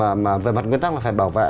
mà về mặt nguyên tắc là phải bảo vệ